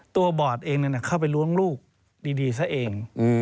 ตัวบอร์ดเองนั้นเข้าไปล้วงลูกดีซะเอง